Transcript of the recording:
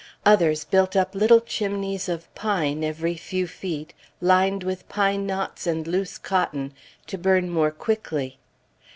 Others built up little chimneys of pine every few feet, lined with pine knots and loose cotton, to burn more quickly.